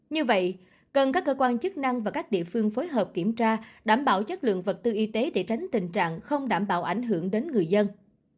như vậy cần các cơ quan chức năng và các địa phương phối hợp kiểm tra đảm bảo chất lượng vật tư y tế để tránh tình trạng không đảm bảo ảnh hưởng đến người dân